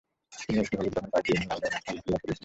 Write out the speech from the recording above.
তিনি একটি হলুদ রঙের পাগড়ি এবং লাল রঙের আলখাল্লা পরিয়াছিলেন।